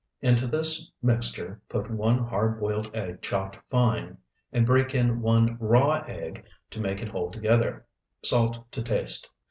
Into this mixture put one hard boiled egg chopped fine, and break in one raw egg to make it hold together. Salt to taste.